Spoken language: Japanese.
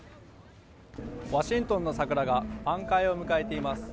ワシントンの桜が満開を迎えています。